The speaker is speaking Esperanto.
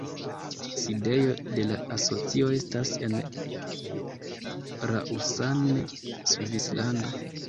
Sidejo de la asocio estas en Lausanne, Svislando.